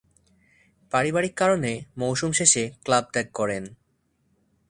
পারিবারিক কারণে মৌসুম শেষে ক্লাব ত্যাগ করেন।